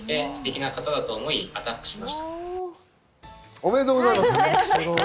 おめでとうございます。